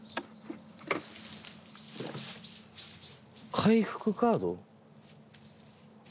回復カード？